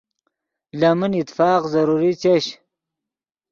لے من اتفاق ضروری چش